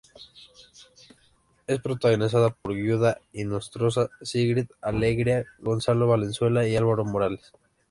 Es protagonizada por Giulia Inostroza, Sigrid Alegría, Gonzalo Valenzuela y Álvaro Morales.